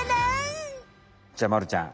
じゃまるちゃん。